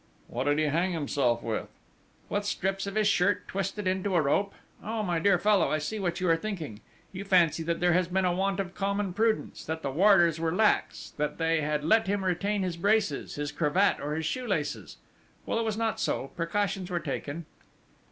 "What did he hang himself with?" "With strips of his shirt twisted into a rope.... Oh, my dear fellow, I see what you are thinking! You fancy that there has been a want of common prudence that the warders were lax that they had let him retain his braces, his cravat or his shoe laces!... Well, it was not so precautions were taken."